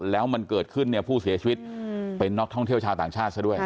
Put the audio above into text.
แล้วมันเกิดขึ้นเนี่ยผู้เสียชีวิตเป็นนักท่องเที่ยวชาวต่างชาติซะด้วย